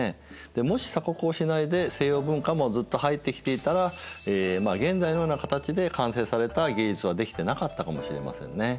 もし鎖国をしないで西洋文化もずっと入ってきていたら現在のような形で完成された芸術は出来てなかったかもしれませんね。